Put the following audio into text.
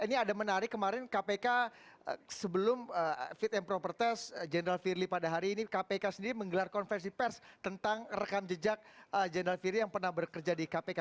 ini ada menarik kemarin kpk sebelum fit and proper test jenderal firly pada hari ini kpk sendiri menggelar konversi pers tentang rekam jejak general firly yang pernah bekerja di kpk